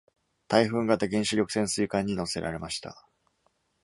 タイフーン型原子力潜水艦に載せられました。